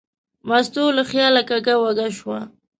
مستو له خیاله کږه وږه شوه.